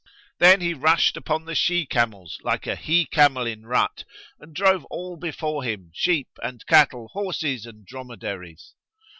Then he rushed upon the she camels like a he camel in rut and drove all before him, sheep and cattle, horses and dromedaries.